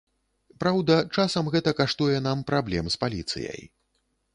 Праўда, часам гэта каштуе нам праблем з паліцыяй.